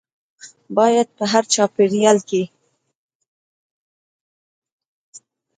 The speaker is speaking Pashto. باید په هر چاپیریال کې